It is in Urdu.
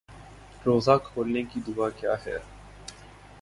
روزہ کھولنے کی دعا کیا ہے